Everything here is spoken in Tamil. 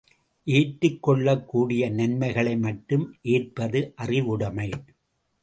ஏற்றுக் கொள்ளக் கூடிய நன்மைகளை மட்டும் ஏற்பது அறிவுடைமை.